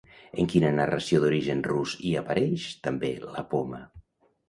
En quina narració d'origen rus hi apareix, també, la poma?